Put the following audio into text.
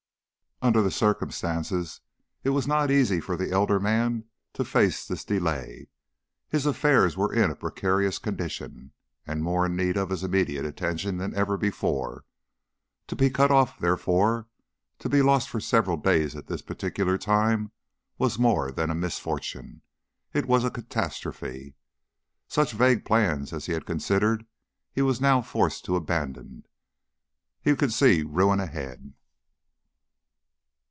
Under the circumstances it was not easy for the elder man to face this delay. His affairs were in a precarious condition and more in need of his immediate attention than ever before; to be cut off, therefore, to be lost for several days at this particular time was more than a misfortune it was a catastrophe. Such vague plans as he had considered he was now forced to abandon. He could see ruin ahead.